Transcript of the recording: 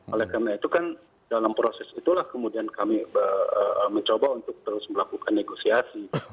oleh karena itu kan dalam proses itulah kemudian kami mencoba untuk terus melakukan negosiasi